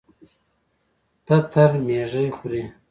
تتر ميږي خوري.